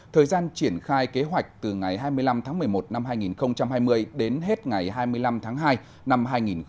thời gian triển khai kế hoạch từ ngày hai mươi năm tháng một mươi một năm hai nghìn hai mươi đến hết ngày hai mươi năm tháng hai năm hai nghìn hai mươi một